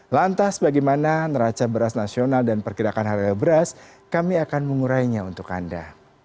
lantas bagaimana neraca beras nasional dan pergerakan harga beras kami akan mengurainya untuk anda